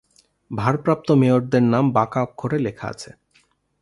ভারপ্রাপ্ত মেয়রদের নাম বাঁকা অক্ষরে লেখা আছে।